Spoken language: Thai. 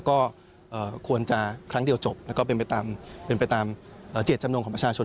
ก็ควรจะครั้งเดียวจบแล้วก็เป็นไปตามเป็นไปตามเจตจำนงของประชาชน